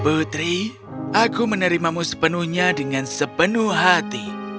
putri aku menerimamu sepenuhnya dengan sepenuh hati